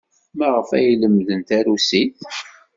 Maɣef ay lemden tarusit?